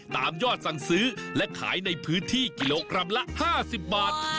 ยอดสั่งซื้อและขายในพื้นที่กิโลกรัมละ๕๐บาท